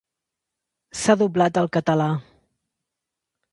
S'ha doblat al català.